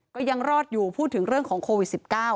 ก็ยังรอดอยู่พูดถึงเรื่องของโควิด๑๙